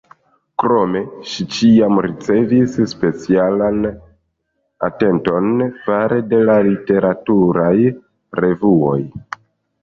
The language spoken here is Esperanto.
Krome, ŝi ĉiam ricevis specialan atenton fare de la literaturaj revuoj.